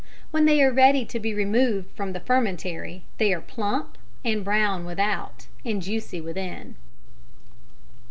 When they are ready to be removed from the fermentary they are plump, and brown without, and juicy within.